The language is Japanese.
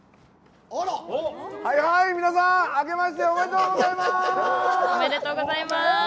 皆さんあけましておめでとうございます。